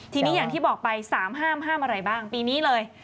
ทีนี้อย่างที่บอกไป๓ห้ามห้ามอะไรบ้างปีนี้เลย